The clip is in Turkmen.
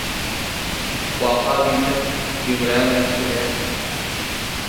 Waka diýsem geňirägem eşdilýär.